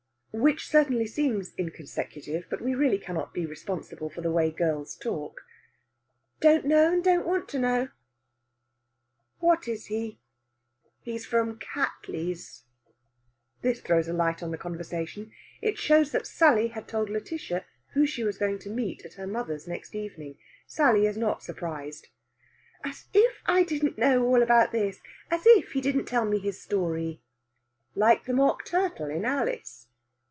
Which certainly seems inconsecutive, but we really cannot be responsible for the way girls talk. "Don't know, and don't want to know. What is he?" "He's from Cattley's." This throws a light on the conversation. It shows that Sally had told Lætitia who she was going to meet at her mother's next evening. Sally is not surprised. "As if I didn't know all about this! As if he didn't tell me his story!" "Like the mock turtle in Alice?"